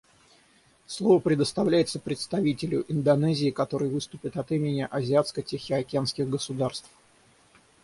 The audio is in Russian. Слово предоставляется представителю Индонезии, который выступит от имени азиатско-тихоокеанских государств.